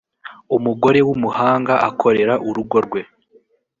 umugore w’ umuhanga akorera urugo rwe.